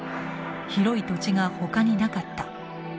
「広い土地がほかになかった」